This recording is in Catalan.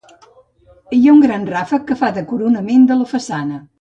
Hi ha un gran ràfec que fa de coronament de la façana.